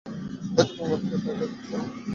হয়তো, বাবার হার্টঅ্যাটাক হতো না।